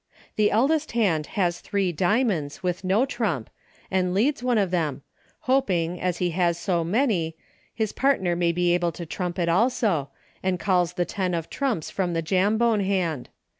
The eldest hand has three diamonds, with no trump, and leads one of them, hoping, as he has so many, his partner may be able to trump it also, and calls the ten of trumps from the Jambone hand.